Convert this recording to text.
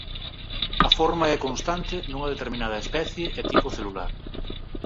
A forma é constante nunha determinada especie e tipo celular.